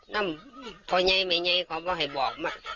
นำตัวใหญ่ไม่ใหญ่เขาก็ไม่ให้บอก